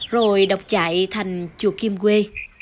rồi độc chạy thành chùa kim quê